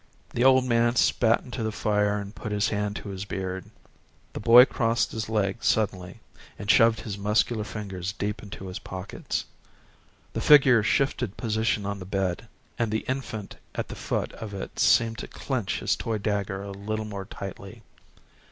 The old man spat into the fire and put his hand to his beard. The boy crossed his legs suddenly and shoved his muscular fingers deep into his pockets. The figure shifted position on the bed and the infant at the foot of it seemed to clench his toy dagger a little more tightly.